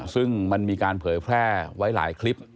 ซึ่งมันมีการเผยแพร่ไว้หลายคลิป